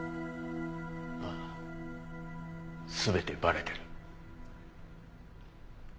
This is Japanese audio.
ああ全てバレてる。